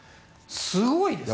すごいですね。